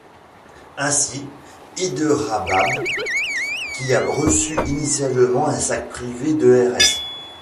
Ainsi Hyderabad qui a reçu initialement un Sac Privé de Rs.